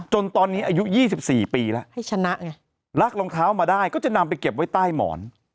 จนตอนนี้อายุ๒๔ปีแล้วให้ชนะไงลักรองเท้ามาได้ก็จะนำไปเก็บไว้ใต้หมอน